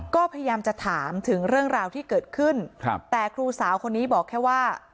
ก็พยายามจะถามถึงเรื่องราวที่เกิดขึ้นครับแต่ครูสาวคนนี้บอกแค่ว่า